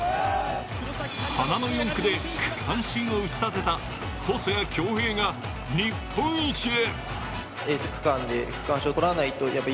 花の４区で区間新を打ち立てた細谷恭平が日本一へ。